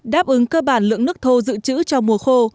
đáp ứng cơ bản lượng nước thô dự trữ cho mùa khô